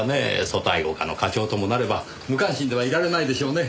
組対五課の課長ともなれば無関心ではいられないでしょうね。